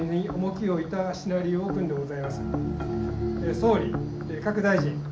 総理各大臣。